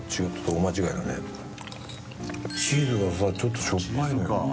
チーズがさちょっとしょっぱいのよ。